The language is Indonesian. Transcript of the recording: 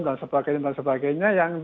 dan sebagainya dan sebagainya yang